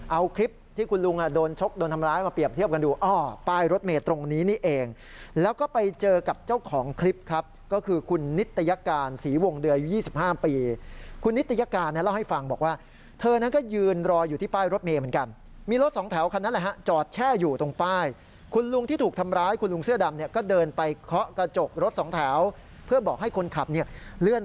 เอาคลิปที่คุณลุงโดนชกโดนทำร้ายมาเปรียบเทียบกันดู